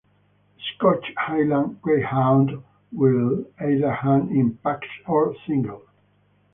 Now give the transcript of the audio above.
The Scotch Highland greyhound will either hunt in packs or singly.